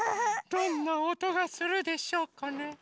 どんなおとがするでしょうかね。